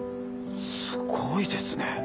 すごいですね。